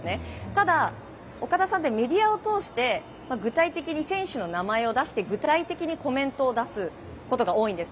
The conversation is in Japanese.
ただ、岡田さんってメディアを通して、具体的に選手の名前を出して具体的にコメントを出すことが多いんです。